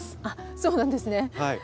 あっそうなんですね。